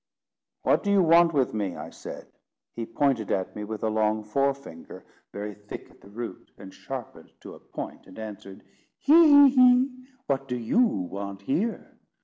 "What do you want with me?" I said. He pointed at me with a long forefinger, very thick at the root, and sharpened to a point, and answered, "He! he! he! what do you want here?"